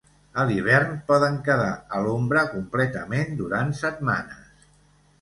A l’hivern poden quedar a l'ombra completament durant setmanes.